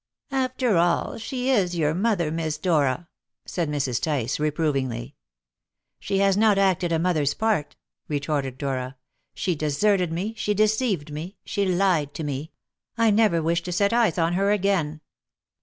"After all, she is your mother, Miss Dora," said Mrs. Tice reprovingly. "She has not acted a mother's part," retorted Dora. "She deserted me, she deceived me, she lied to me; I never wish to set eyes on her again."